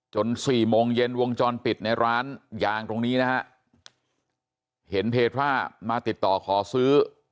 สี่โมงเย็นวงจรปิดในร้านยางตรงนี้นะฮะเห็นเพทรามาติดต่อขอซื้อ